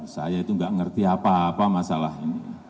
saya itu nggak ngerti apa apa masalah ini